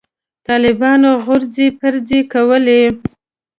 طالبانو غورځې پرځې کولې.